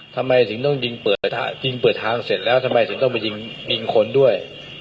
ทำไมถึงต้องยิงเปิดทางเสร็จแล้วทำไมถึงต้องไปยิงคนด้วย